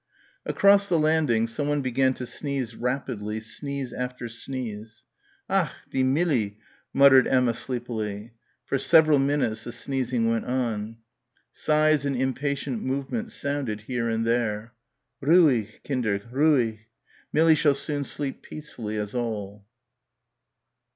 Across the landing someone began to sneeze rapidly sneeze after sneeze. "Ach, die Millie!" muttered Emma sleepily. For several minutes the sneezing went on. Sighs and impatient movements sounded here and there. "Ruhig, Kinder, ruhig. Millie shall soon sleep peacefully as all."